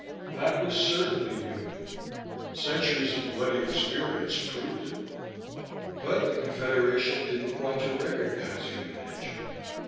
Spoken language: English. That was certainly human: centuries of bloody experience proved it. But the Confederation didn't want to recognize human nature.